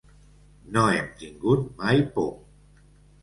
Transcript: No hem tingut mai por.